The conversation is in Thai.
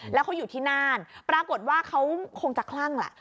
แล้วเขาอยู่ที่น่านปรากฏว่าเขาคงจะคลั่งแหละ